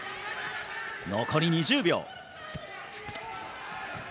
残り２０秒。